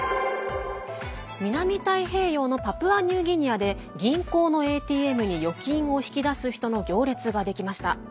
南太平洋のパプアニューギニアで銀行のＡＴＭに預金を引き出す人の行列ができました。